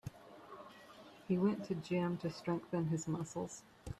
He went to gym to strengthen his muscles.